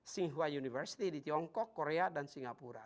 singhoan university di tiongkok korea singapura